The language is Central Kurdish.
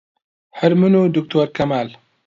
هەر من و دکتۆر کەمال